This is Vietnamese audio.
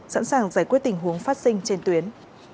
sẵn sàng giải quyết tình huống phát sinh trên tuyến